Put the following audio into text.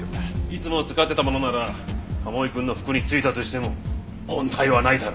いつも使ってたものなら賀茂井くんの服に付いたとしても問題はないだろ。